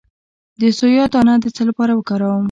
د سویا دانه د څه لپاره وکاروم؟